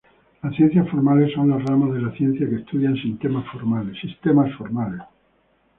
Las ciencias formales son las ramas de la ciencia que estudian sistemas formales.